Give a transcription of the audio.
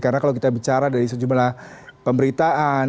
karena kalau kita bicara dari sejumlah pemberitaan